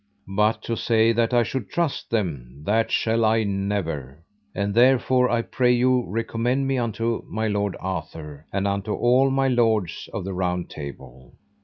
But to say that I should trust them, that shall I never, and therefore I pray you recommend me unto my lord Arthur, and unto all my lords of the Round Table.